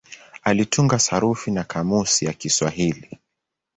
Alitunga sarufi na kamusi ya Kiswahili.